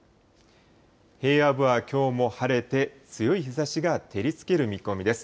平野部はきょうも晴れて強い日ざしが照りつける見込みです。